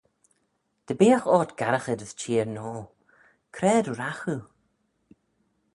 Dy beagh ort garraghey dys çheer noa, c'raad ragh oo?